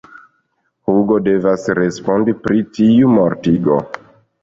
Hugo devas respondi pri tiu mortigo.